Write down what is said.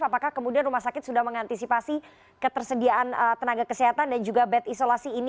apakah kemudian rumah sakit sudah mengantisipasi ketersediaan tenaga kesehatan dan juga bed isolasi ini